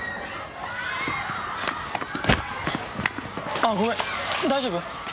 あごめん大丈夫？